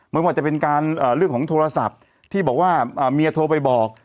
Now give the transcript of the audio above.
ไม่ว่าจะเป็นการเรื่องของโทรศัพท์ที่บอกว่าเมียโทรไปบอก